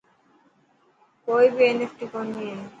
ڪوئي بي انفٽ ڪوني هي.